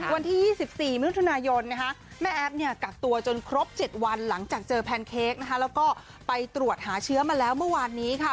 วันที่๒๔มิถุนายนแม่แอฟเนี่ยกักตัวจนครบ๗วันหลังจากเจอแพนเค้กนะคะแล้วก็ไปตรวจหาเชื้อมาแล้วเมื่อวานนี้ค่ะ